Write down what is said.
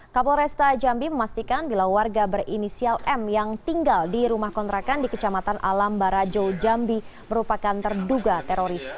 kapolresta jambi memastikan bila warga berinisial m yang tinggal di rumah kontrakan di kecamatan alam barajo jambi merupakan terduga teroris